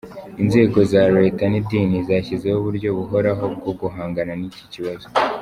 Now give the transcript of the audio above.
Inzego za leta n’idini zashyizeho uburyo buhoraho bwo guhangana n’iki kibazo.